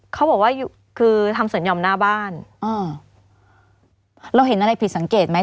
เขาบอกว่าคือทำสวนยอมหน้าบ้านอ่าเราเห็นอะไรผิดสังเกตไหม